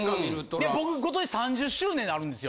いや僕今年３０周年になるんですよ。